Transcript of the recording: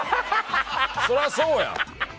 そりゃそうやん。